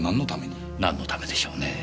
なんのためでしょうねぇ。